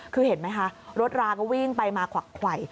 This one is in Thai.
คือเห็นไหมคะรถราก็วิ่งไปมาขวักไขว